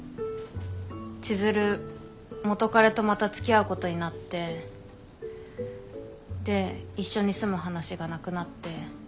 千鶴元彼とまたつきあうことになってで一緒に住む話がなくなって。